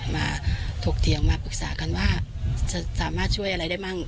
ถกเถียงมาปรึกษากันว่าจะสามารถช่วยอะไรได้มั่ง